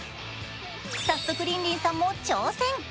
早速リンリンさんも挑戦。